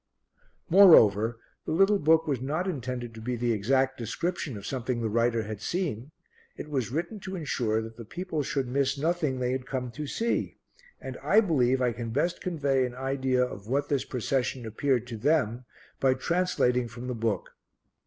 Moreover, the little book was not intended to be the exact description of something the writer had seen; it was written to ensure that the people should miss nothing they had come to see, and I believe I can best convey an idea of what this procession appeared to them by translating from the book.